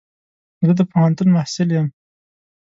زه د پوهنتون محصل يم.